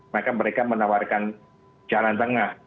mereka menawarkan jalan tengah